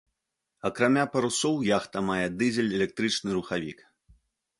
Акрамя парусоў яхта мае дызель-электрычны рухавік.